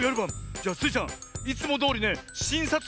じゃあスイちゃんいつもどおりねしんさつ